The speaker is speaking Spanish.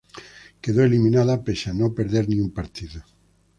Quedó eliminada pese a no perder ni un partido.